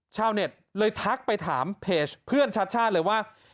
ชาวเน็ตเลยทักไปถามเพจเพื่อนชัดชาติเลยว่า